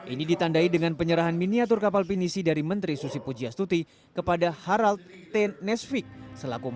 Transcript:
ini ditandai dengan penyerahan miniatur kapal pinisi dari menteri susi pujiastuti kepada harald ten nesvic